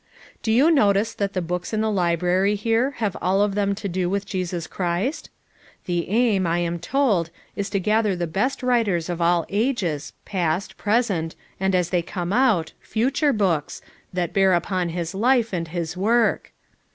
, "Do you notice that the books in the library here have all of them to do with Jesus Christ? The aim, I am told, is to gather the best writ ings of all ages, past, present, and, as they come out, future books, that bear upon his life, and his work.